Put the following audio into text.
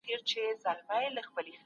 اشرف خان زنداني سو